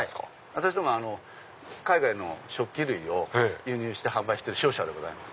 私どもは海外の食器類を輸入して販売してる商社でございます。